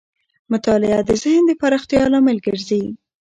مطالعه د ذهن د پراختیا لامل ګرځي.